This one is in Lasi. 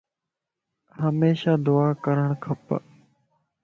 ھميشا دعا ڪرڻ کپ